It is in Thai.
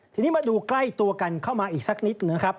ทีนี้มาดูใกล้ตัวกันเข้ามาอีกสักนิดนะครับ